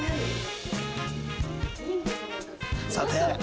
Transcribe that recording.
「さて」